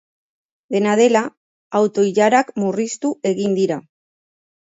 Dena dela, auto-ilarak murriztu egin dira.